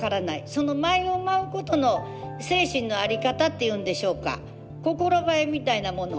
その舞を舞うことの精神の在り方っていうんでしょうか心ばえみたいなもの。